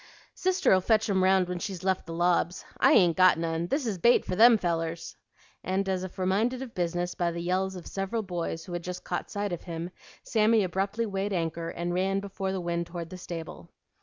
"Sister'll fetch 'em round when she's left the lobs. I ain't got none; this is bait for them fellers." And, as if reminded of business by the yells of several boys who had just caught sight of him, Sammy abruptly weighed anchor and ran before the wind toward the stable.